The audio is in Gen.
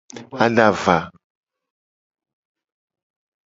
Adava.